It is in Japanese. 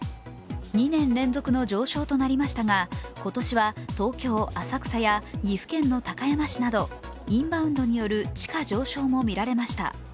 ２年連続の上昇となりましたが、今年は東京・浅草や岐阜県の高山市などインバウンドによる地価上昇もみられました。